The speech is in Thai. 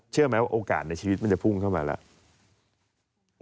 เชื่อไหมว่าโอกาสในชีวิตมันจะพุ่งเข้ามาแล้ว